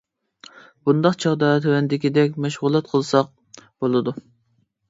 بۇنداق چاغدا تۆۋەندىكىدەك مەشغۇلات قىلساق بولىدۇ.